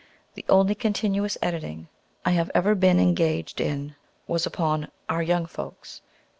The only continuous editing I have ever been engaged in was upon "Our Young Folks."